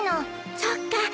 そっか。